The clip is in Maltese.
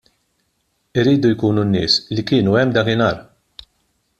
Iridu jkunu n-nies li kienu hemm dakinhar.